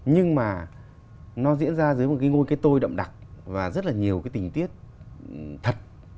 nhưng mà nó diễn ra dưới một cái ngôi cái tôi đậm đặc và rất là nhiều cái tình tiết thật